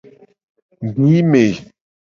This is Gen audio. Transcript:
Dime.